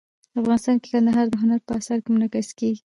افغانستان کې کندهار د هنر په اثار کې منعکس کېږي.